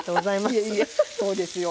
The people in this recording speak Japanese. いえいえそうですよ。